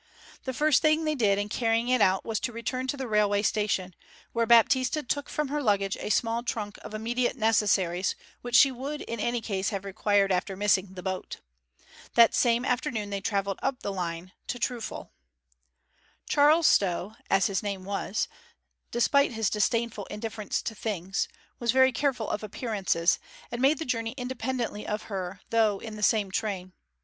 The first thing they did in carrying it out was to return to the railway station, where Baptista took from her luggage a small trunk of immediate necessaries which she would in any case have required after missing the boat. That same afternoon they travelled up the line to Trufal. Charles Stow (as his name was), despite his disdainful indifference to things, was very careful of appearances, and made the journey independently of her though in the same train.